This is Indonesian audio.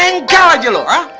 enggal aja lo